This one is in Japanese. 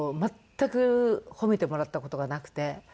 全く褒めてもらった事がなくて。